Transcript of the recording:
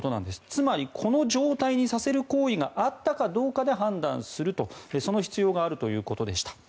つまり、この状態にさせる行為があったかどうかで判断する、その必要があるということでした。